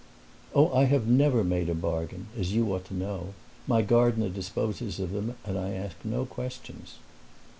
"Oh, I have never made a bargain, as you ought to know. My gardener disposes of them and I ask no questions."